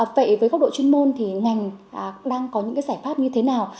vậy với góc độ chuyên môn thì ngành đang có những cái giải pháp như thế nào